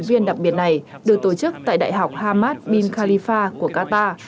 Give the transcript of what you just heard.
học viên đặc biệt này được tổ chức tại đại học hamad bin khalifa của qatar